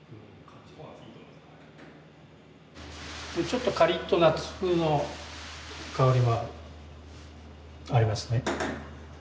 ちょっとカリッとナッツ風の香りがありますね。